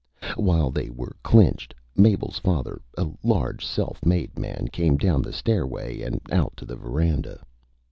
While they were Clinched, Mabel's Father, a large, Self Made Man, came down the Stairway and out to the Veranda.